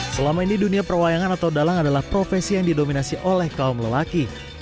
selama ini dunia perwayangan atau dalang adalah profesi yang didominasi oleh kaum lelaki